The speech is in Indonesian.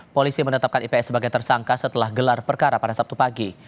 polisi menetapkan ips sebagai tersangka setelah gelar perkara pada sabtu pagi